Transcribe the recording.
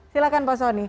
silahkan pak paswani